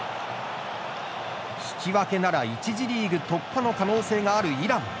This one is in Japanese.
引き分けなら１次リーグ突破の可能性があるイラン。